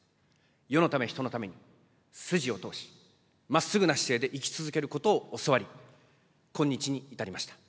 世のため人のために筋を通し、まっすぐな姿勢で生き続けることを教わり、今日に至りました。